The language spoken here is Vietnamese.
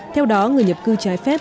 theo đó người nhập cư trái phép